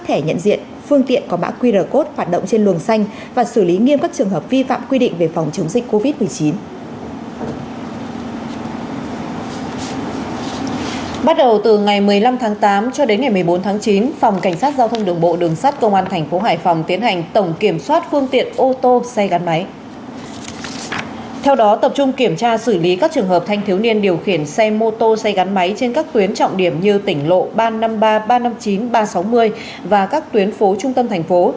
theo đó tập trung kiểm tra xử lý các trường hợp thanh thiếu niên điều khiển xe mô tô xây gắn máy trên các tuyến trọng điểm như tỉnh lộ ba trăm năm mươi ba ba trăm năm mươi chín ba trăm sáu mươi và các tuyến phố trung tâm thành phố